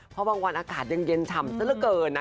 เพราะบางวันอากาศยังเย็นฉ่ำซะละเกินนะ